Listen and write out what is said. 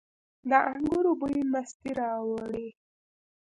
د انګورو بوی مستي راوړي.